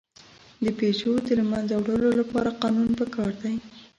د پيژو د له منځه وړلو لپاره قانون پکار دی.